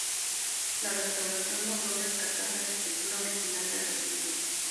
La restauración logró rescatar la arquitectura original del recinto.